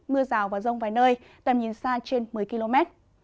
mưa rào và rông vài nơi tầm nhìn xa trên một mươi km